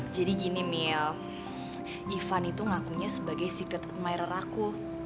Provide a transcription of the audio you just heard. jadi gini mil ivan itu ngakunya sebagai secret admirer aku